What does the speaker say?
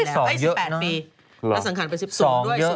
หรอสองเยอะนะลักษณ์ผ่านไป๑๐ปีสูงด้วยสูงด้วย